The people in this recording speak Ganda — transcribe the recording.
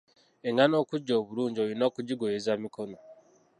Engano okujja obulungi oyina kugigoyesa mikono.